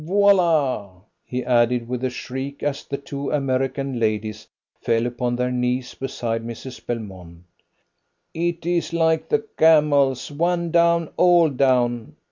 Voila!" he added, with a shriek, as the two American ladies fell upon their knees beside Mrs. Belmont. "It is like the camels one down, all down!